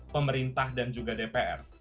pemerintah dan juga dpr